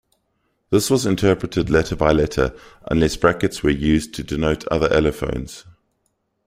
This was interpreted letter-by-letter unless brackets were used to denote other allophones.